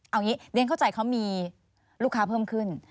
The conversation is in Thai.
เอางี้เรียนเข้าใจเขามีลูกค้าเพิ่มขึ้น